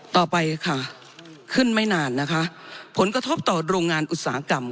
ต่อไปค่ะขึ้นไม่นานนะคะผลกระทบต่อโรงงานอุตสาหกรรม